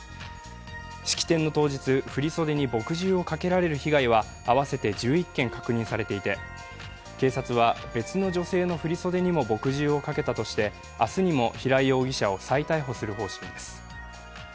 式典の当日、振り袖に墨汁をかけられる被害は合わせて１１件確認されていて、警察は別の女性の振り袖にも墨汁をかけたとして明日にも平井容疑者を再逮捕する方針です。